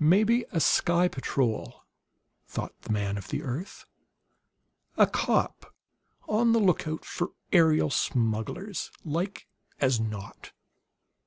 "Maybe a sky patrol," thought the man of the earth; "a cop on the lookout for aerial smugglers, like as not."